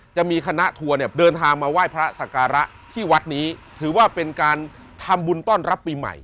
จะมีคณะทัวร์เนี่ยเดินทางมาไหว้พระสการะที่วัดนี้ถือว่าเป็นการทำบุญต้อนรับปีใหม่